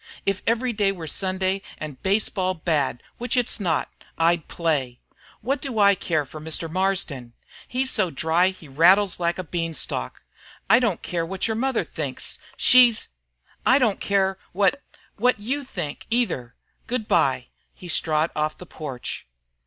If every day were Sunday and baseball bad which it's not I'd play. What do I care for Mr. Marsden? He's so dry he rattles like a beanstalk. I don't care what your mother thinks. She's I don't care what what you think, either. Good bye!" He strode off the porch.